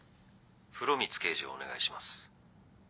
☎風呂光刑事をお願いします。